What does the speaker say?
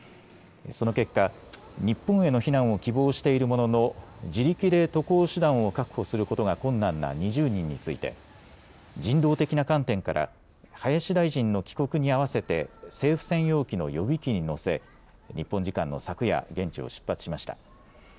その結果、日本への避難を希望しているものの自力で渡航手段を確保することが困難な２０人について人道的な観点から林大臣の帰国に合わせて政府専用機の予備機に乗せ日本時間の昨夜、現地を出発しました。